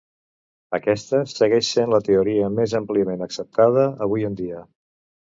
Aquesta segueix sent la teoria més àmpliament acceptada avui en dia.